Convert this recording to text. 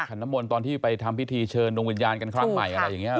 น้ำมนต์ตอนที่ไปทำพิธีเชิญดวงวิญญาณกันครั้งใหม่อะไรอย่างนี้